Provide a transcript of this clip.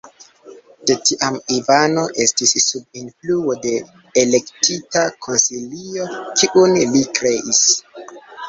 De tiam Ivano estis sub influo de "Elektita Konsilio", kiun li kreis.